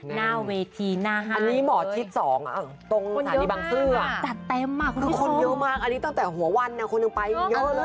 หน้าเวทีหน้าห้านเลยคนเยอะมากคนเยอะมากอันนี้ตั้งแต่หัววันคนอื่นไปเยอะเลย